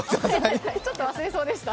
ちょっと忘れそうでした。